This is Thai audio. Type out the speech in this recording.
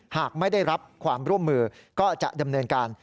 หากไม่ได้รับความร่วมมือก็จะดำเนินการ